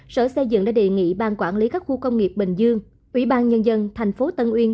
sở xây dựng đã đề nghị ban quản lý các khu công nghiệp bình dương ủy ban nhân dân thành phố tân uyên